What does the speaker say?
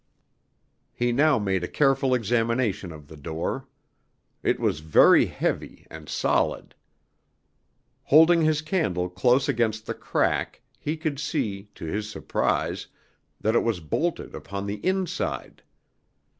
He now made a careful examination of the door. It was very heavy, and solid. Holding his candle close against the crack, he could see, to his surprise, that it was bolted upon the inside.